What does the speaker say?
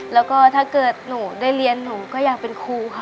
แล้วก็ถ้าเกิดหนูได้เรียนหนูก็อยากเป็นครูค่ะ